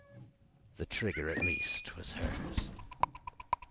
The trigger at least was hers!